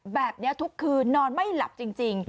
แบบนี้ทุกคืนนอนไม่หลับจริง